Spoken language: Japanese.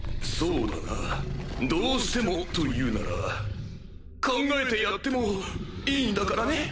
そうだな。どうしてもと言うなら考えてやってもいいんだからね。